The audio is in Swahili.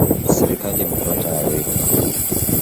Serikali imetoa taarifa